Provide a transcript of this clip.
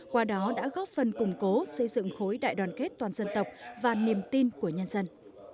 qua đó đã góp phần củng cố xây dựng khối đại đoàn kết toàn dân tộc và niềm tin của nhân dân